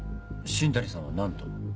新谷さんは何と？